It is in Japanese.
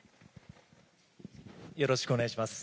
よろしくお願いします。